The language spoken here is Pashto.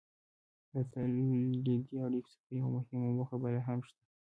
له تولیدي اړیکو څخه یوه مهمه موخه بله هم شته.